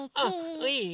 いい？